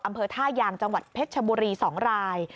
อำเภอท่ายางจังหวัดเพชรชบุรี๒ราย